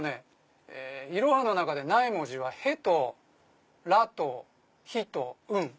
⁉いろはの中でない文字は「へ」と「ら」と「ひ」と「ん」。